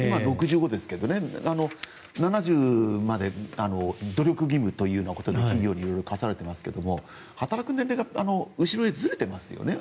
今、６５ですけど７０まで努力義務ということが企業に課されていますけれど働く年齢が後ろへずれてますよね。